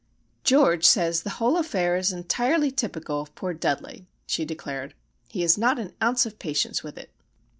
"George says the whole affair is entirely typical of poor Dudley," she declared. "He has not an ounce of patience with it."